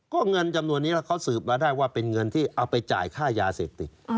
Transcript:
ก็เงินจำนวนนี้แล้วเขาสืบมาได้ว่าเป็นเงินที่เอาไปจ่ายค่ายาเสพติด